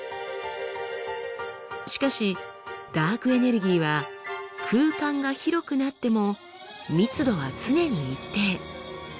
しかしダークエネルギーは空間が広くなっても密度は常に一定。